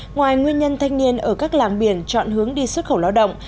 ngoài nguyên nhân thanh niên ở các làng biển chọn hướng đi xuất khẩu lao động